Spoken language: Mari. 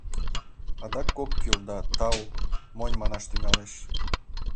Адак «ок кӱл» да «тау», монь манаш тӱҥалеш.